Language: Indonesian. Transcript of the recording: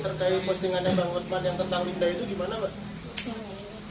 terus dengan yang pak hotman yang tentang linda itu gimana mbak